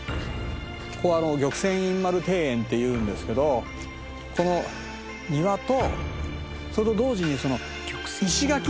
ここは玉泉院丸庭園っていうんですけどこの庭とそれと同時に石垣。